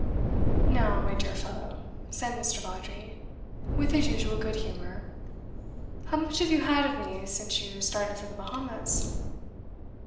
'Now, my dear fellow,' said Mr. Vawdrey, with his usual good humour, 'how much have you had of me since you started for the Bahamas?